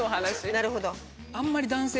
なるほど。